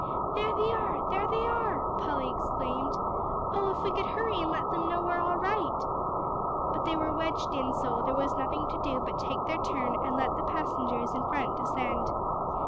"There they are there they are!" Polly exclaimed. "Oh, if we could hurry and let them know we're all right!" But they were wedged in so, there was nothing to do but to take their turn and let the passengers in front descend.